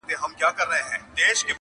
دنظم عنوان دی قاضي او څارنوال,